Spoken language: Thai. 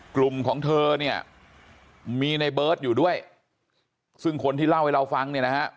กลุ่มของเธอเนี่ยมีในเบิร์ตอยู่ด้วยซึ่งคนที่เล่าให้เราฟังเนี่ยนะฮะ